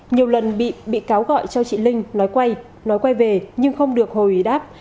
nhiều lần bị cáo gọi cho chị linh nói quay nói quay về nhưng không được hồi đáp